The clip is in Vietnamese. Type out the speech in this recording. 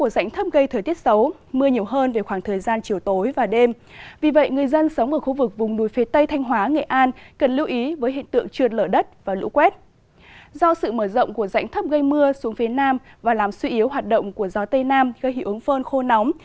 do sự mở rộng của dạnh thấp gây mưa xuống phía nam và làm suy yếu hoạt động của gió tây nam gây hiệu ứng phơn khô nóng